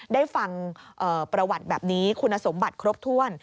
ได้ฟังประวัติแบบนี้คุณสมบัติครบถ้วน